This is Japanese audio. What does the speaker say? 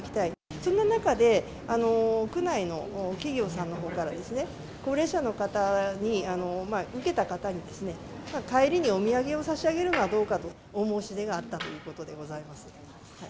そんな中で、区内の企業さんのほうから高齢者の方に、受けた方にですね、帰りにお土産を差し上げるのはどうかとお申し出があったということでございます。